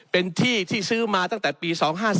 เป็นที่ที่ซื้อมาตั้งแต่ปี๒๕๔